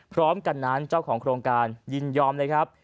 พร้อมกันนั้นเจ้าของโครงการยินยอมเลยครับ